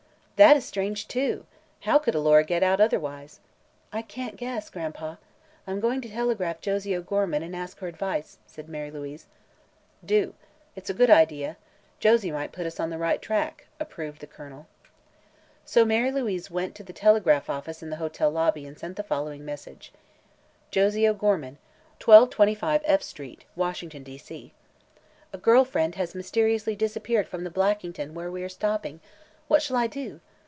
"That is strange, too! How could Alora get out, otherwise?" "I can't guess. Gran'pa, I'm going to telegraph Josie O'Gorman, and ask her advice," said Mary Louise. "Do. It's a good idea, Josie might put us on the right track," approved the Colonel. So Mary Louise went to the telegraph office in the hotel lobby and sent the following message: "Josie O'Gorman, 1225 F Street, Washington, D. C. "A girl friend has mysteriously disappeared from the Blackington, where we are stopping. What shall I do?